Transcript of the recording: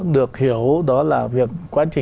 được hiểu đó là việc